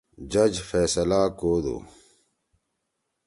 جج فیصلہ کودُو۔